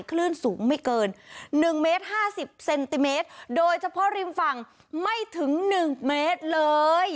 คลื่นสูงไม่เกินหนึ่งเมตรห้าสิบเซนติเมตรโดยเฉพาะริมฝั่งไม่ถึงหนึ่งเมตรเลย